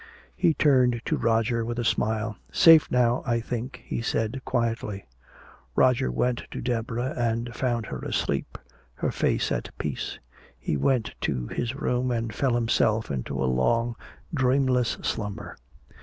He turned to Roger with a smile. "Safe now, I think," he said quietly. Roger went to Deborah and found her asleep, her face at peace. He went to his room and fell himself into a long dreamless slumber.